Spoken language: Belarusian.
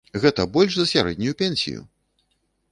Гэта больш за сярэднюю пенсію!